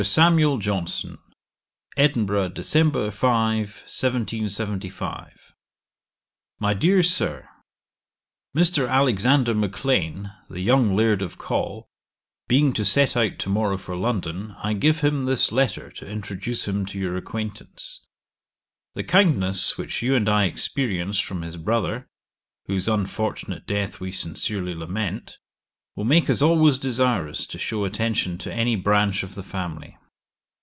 SAMUEL JOHNSON. 'Edinburgh, Dec. 5, 1775. 'MY DEAR SIR, 'Mr. Alexander Maclean, the young Laird of Col, being to set out to morrow for London, I give him this letter to introduce him to your acquaintance. The kindness which you and I experienced from his brother, whose unfortunate death we sincerely lament, will make us always desirous to shew attention to any branch of the family.